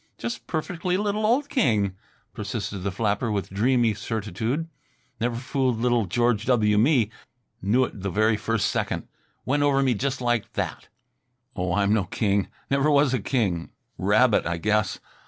"Just a perfectly little old king," persisted the flapper with dreamy certitude. "Never fooled little George W. Me. Knew it the very first second. Went over me just like that." "Oh, I'm no king; never was a king; rabbit, I guess.